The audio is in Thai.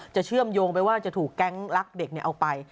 เชื่อมโยงไปว่าจะถูกแก๊งลักเด็กเอาไป